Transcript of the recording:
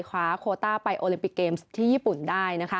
คว้าโคต้าไปโอลิมปิกเกมส์ที่ญี่ปุ่นได้นะคะ